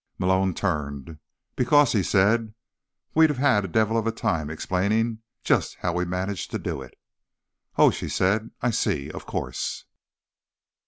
Malone turned. "Because," he said, "we'd have had the devil of a time explaining just how we managed to do it." "Oh," she said. "I see. Of course."